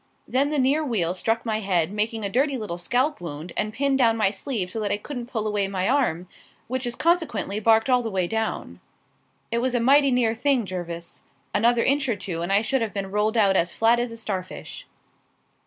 Then the near wheel struck my head, making a dirty little scalp wound, and pinned down my sleeve so that I couldn't pull away my arm, which is consequently barked all the way down. It was a mighty near thing, Jervis; another inch or two and I should have been rolled out as flat as a starfish."